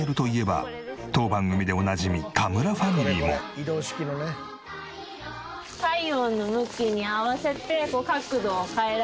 移動式のね。